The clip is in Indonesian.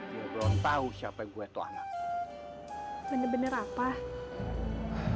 belum tahu siapa yang gue tolak bener bener apa